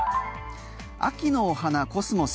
秋のお花、コスモス。